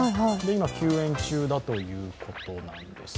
今、休園中だということだそうです